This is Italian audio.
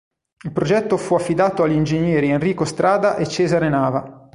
Il progetto fu affidato agli ingegneri Enrico Strada e Cesare Nava.